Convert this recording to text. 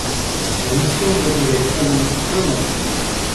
La mission doit durer au moins un an.